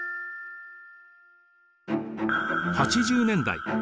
８０年代